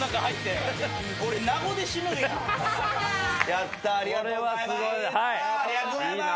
やったありがとうございます！